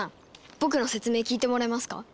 僕の説明聞いてもらえますか？